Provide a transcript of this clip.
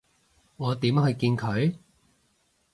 我點去見佢？